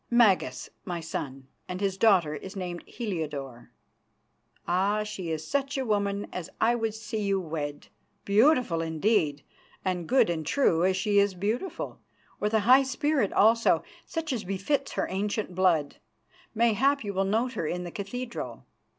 "Magas, my son, and his daughter is named Heliodore. Ah! she is such a woman as I would see you wed, beautiful indeed, and good and true as she is beautiful, with a high spirit also, such as befits her ancient blood. Mayhap you will note her in the cathedral.